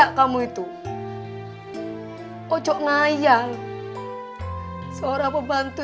pembantu ya tetap pembantu